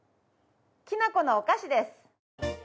きなこのお菓子です。